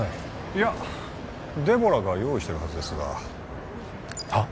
いやデボラが用意してるはずですがはっ？